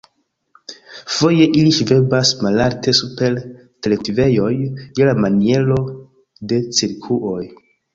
Foje ili ŝvebas malalte super terkultivejoj je la maniero de cirkuoj.